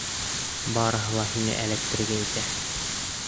Барыһы ла һине эләктерергә итә.